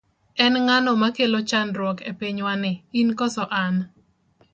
En ng'ano ma kelo chandruok ne pinywani in koso an?